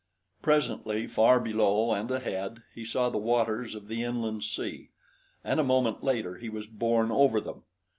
Presently, far below and ahead, he saw the waters of the inland sea, and a moment later he was borne over them.